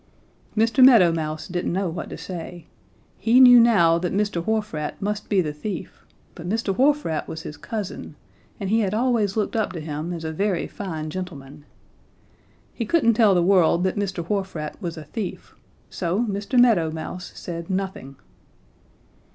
"Mr. Meadow Mouse didn't know what to say. He knew now that Mr. Wharf Rat must be the thief, but Mr. Wharf Rat was his cousin, and he had always looked up to him as a very fine gentleman. He couldn't tell the world that Mr. Wharf Rat was a thief. So Mr. Meadow Mouse said nothing.